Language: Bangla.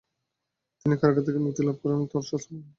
তিনি কারাগার থেকে মুক্তি লাভ করেন তখন তার স্বাস্থ্য ভগ্নপ্রায়।